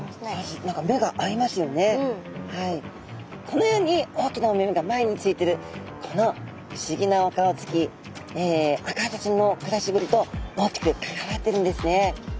このように大きなお目目が前についてるこの不思議なお顔つきアカハタちゃんの暮らしぶりと大きく関わってるんですね。